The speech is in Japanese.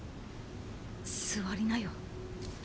座りなよ。